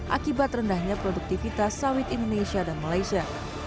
akibat rendahnya produktivitas sawit indonesia dan malaysia